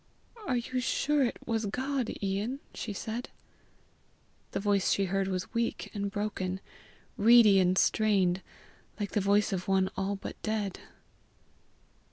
"Are you sure it was God, Ian?" she said. The voice she heard was weak and broken, reedy and strained, like the voice of one all but dead.